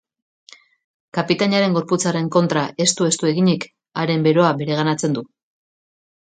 Kapitainaren gorputzaren kontra estu-estu eginik, haren beroa bereganatzen du.